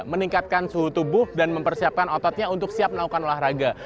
meningkatkan suhu tubuh dan mempersiapkan ototnya untuk siap melakukan olahraga